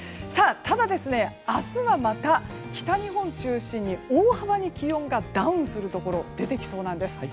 ただ、明日はまた北日本を中心に大幅に気温がダウンするところ出てきそうなんです。